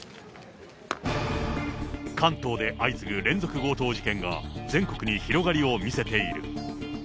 関東で相次ぐ連続強盗事件が全国に広がりを見せている。